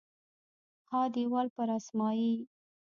ها دیوال پر اسمایي